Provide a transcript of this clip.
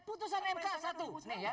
putusan mk satu